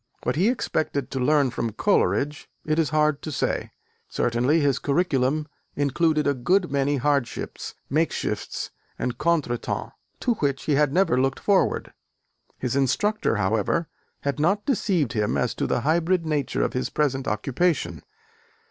What he expected to learn from Coleridge, it is hard to say: certainly his curriculum included a good many hardships, makeshifts and contretemps to which he had never looked forward. His instructor, however, had not deceived him as to the hybrid nature of his present occupation.